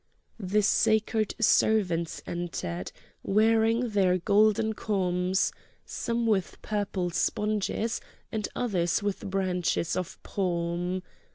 The sacred servants entered wearing their golden combs, some with purple sponges and others with branches of palm.